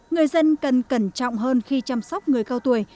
người dân cần cẩn trọng hơn khi chăm sóc người cao tuổi